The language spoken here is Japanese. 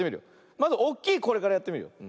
まずおっきいこれからやってみるよ。